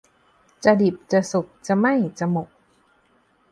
จะดิบจะสุก จะไหม้จะหมก